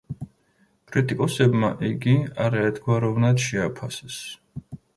კრიტიკოსებმა იგი არაერთგვაროვნად შეაფასეს.